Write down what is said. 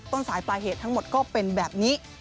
ต้นสายปลายเหตุทั้งหมดก็เป็นแบบนี้